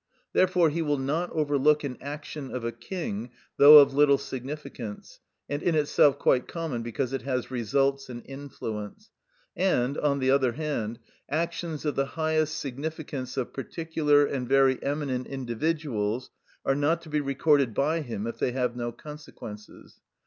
Therefore he will not overlook an action of a king, though of little significance, and in itself quite common, because it has results and influence. And, on the other hand, actions of the highest significance of particular and very eminent individuals are not to be recorded by him if they have no consequences.